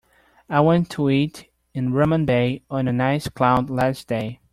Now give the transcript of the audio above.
I want to eat in Rowan Bay on a nice cloud less day